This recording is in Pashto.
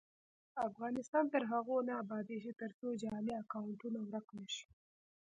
افغانستان تر هغو نه ابادیږي، ترڅو جعلي اکونټونه ورک نشي.